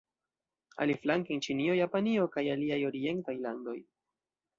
Aliflanke en Ĉinio, Japanio kaj aliaj orientaj landoj.